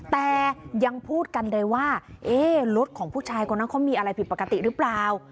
แต่ยังพูดกันเลยว่ารถของผู้ชายคนนั้นเขามีอะไรผิดปกติหรือเปล่า